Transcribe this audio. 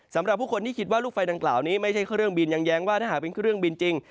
สำหรับผู้คนที่คิดว่าลูกไฟดังกล่าวนี้ไม่ใช่เครื่องบินยังแย้งว่าถ้าหากเป็นเครื่องบินจริง